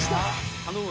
［頼む。